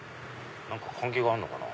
何か関係があるのかな？